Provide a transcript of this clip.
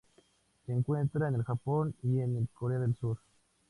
Se encuentra en el Japón y en Corea del Sur.